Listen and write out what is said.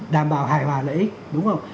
đảm bảo hài hòa lợi ích